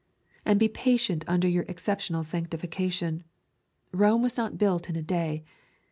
And be patient under your exceptional sanctification. Rome was not built in a day.